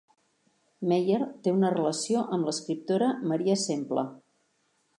Meyer té una relació amb l'escriptora Maria Semple.